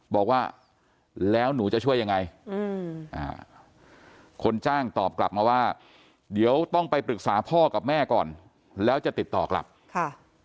บอกว่าแล้วหนูจะช่วยยังไงอืมอ่าคนจ้างตอบกลับมาว่าเดี๋ยวต้องไปปรึกษาพ่อกับแม่ก่อนแล้วจะติดต่อกลับค่ะ